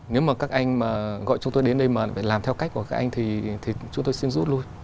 nếu mà các anh mà gọi chúng tôi đến đây mà phải làm theo cách của các anh thì chúng tôi xin rút luôn